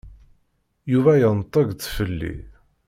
Yuba yenṭeg-d fell-i.